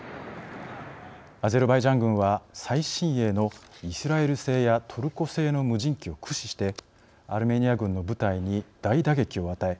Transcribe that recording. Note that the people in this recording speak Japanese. アゼルバイジャン軍は最新鋭のイスラエル製やトルコ製の無人機を駆使してアルメニア軍の部隊に大打撃を与え